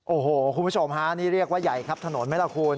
โอ้โหคุณผู้ชมฮะนี่เรียกว่าใหญ่ครับถนนไหมล่ะคุณ